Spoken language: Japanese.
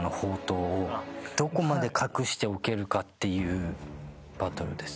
どこまで隠しておけるかっていうバトルです。